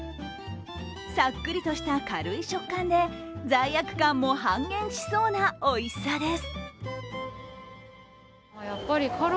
さっくりとした軽い食感で、罪悪感も半減しそうなおいしさです。